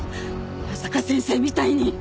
矢坂先生みたいに！